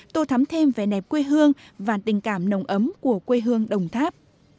tô thắm thêm vẻ đẹp quê hương và tình cảm nồng ấm của quê hương đồng tháp